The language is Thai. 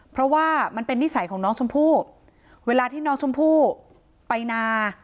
เพราะว่ามันเป็นนิสัยของน้องชมพู่เวลาที่น้องชมพู่ไปนา